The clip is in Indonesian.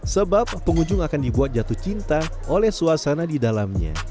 sebab pengunjung akan dibuat jatuh cinta oleh suasana di dalamnya